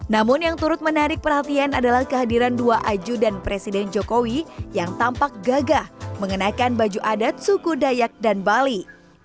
namun yang turut menarik perhatian adalah kehadiran dua aju dan presiden jokowi yang tampak gagah mengenakan baju adat suku dayak dan bali